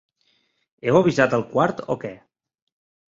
Heu avisat al quart o què?